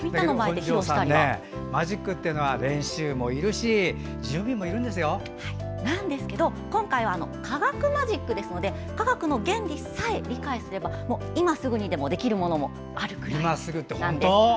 だけどマジックって練習もいるしなんですけど今回は科学マジックなので科学の原理さえ理解すれば今すぐできるものもあるくらいなんです。